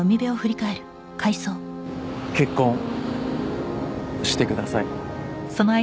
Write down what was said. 結婚してください